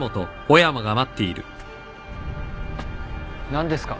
何ですか？